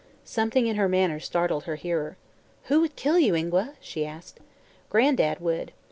Something in her manner startled her hearer. "Who would kill you, Ingua?" she asked. "Gran'dad would."